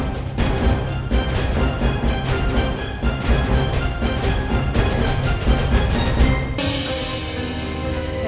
selesai juga dia